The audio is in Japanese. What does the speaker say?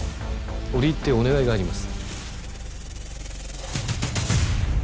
折り入ってお願いがあります。